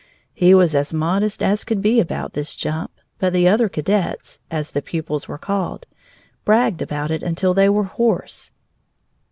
He was as modest as could be about this jump, but the other cadets (as the pupils were called) bragged about it till they were hoarse.